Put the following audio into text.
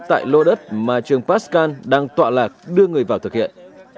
tại lô đất mà trường parscale đang tọa lạc đưa người vào thực hiện